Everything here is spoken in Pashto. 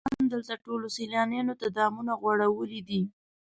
زما په اند دلته ټولو سیلانیانو ته دامونه غوړولي دي.